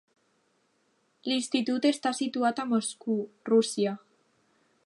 L"institut està situat a Moscou, Rússia.